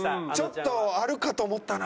ちょっとあるかと思ったな。